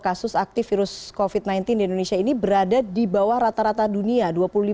kasus aktif virus covid sembilan belas di indonesia ini berada di bawah rata rata dunia